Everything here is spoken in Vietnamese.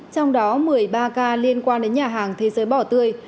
trong đó một mươi ba ca liên quan đến nhà hàng thế giới bỏ tươi